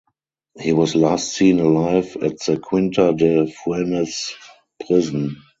He was last seem alive at the Quinta de Funes prison.